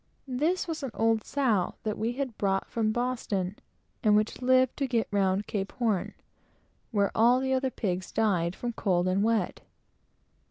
This was an old sow that we had brought from Boston, and which lived to get around Cape Horn, where all the other pigs died from cold and wet.